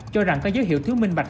cho rằng có dấu hiệu thiếu minh bạch